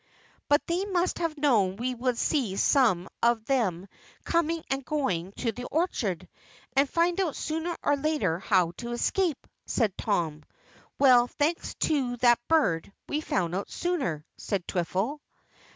"But they must have known we would see some of them coming and going to the orchard, and find out sooner or later how to escape," said Tom. "Well, thanks to that bird, we found out sooner," said Twiffle.